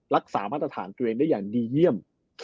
รักษามาตรฐานตัวเองได้อย่างดีเยี่ยม